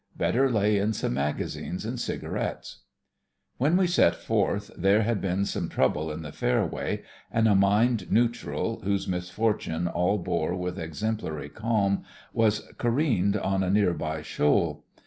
Better lay in some magazines and cigarettes. When we set forth there had been some trouble in the fairway, and a mined neutral, whose misfortune all bore with exemplary calm, was ca reened on a near by shoal.